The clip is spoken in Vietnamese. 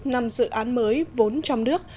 năm dự án mới vốn trong nước